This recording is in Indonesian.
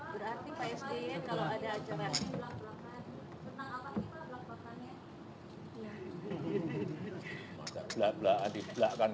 berarti pak sby kalau ada jawaban belak belakan tentang apa sih pak belak belakannya